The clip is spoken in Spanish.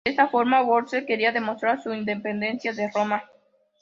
De esta forma, Wolsey quería demostrar su independencia de Roma.